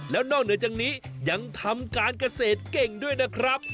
แล้วนอกเหนือจากนี้ยังทำการเกษตรเก่งด้วยนะครับ